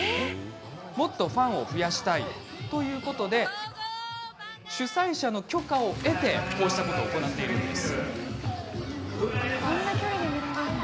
もっとファンを増やしたいということで主催者の許可を得て行っています。